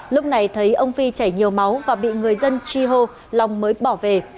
lúc này thấy ông phi chảy nhiều máu và bị người dân chi hô lòng mới bỏ về